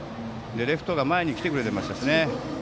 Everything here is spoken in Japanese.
レフトが前に来てくれてましたね。